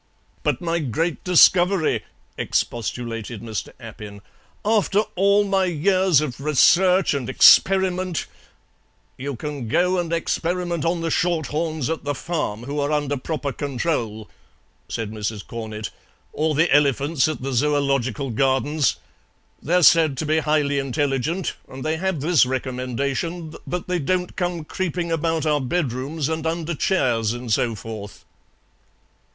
"But my great discovery!" expostulated Mr. Appin; "after all my years of research and experiment " "You can go and experiment on the shorthorns at the farm, who are under proper control," said Mrs. Cornett, "or the elephants at the Zoological Gardens. They're said to be highly intelligent, and they have this recommendation, that they don't come creeping about our bedrooms and under chairs, and so forth."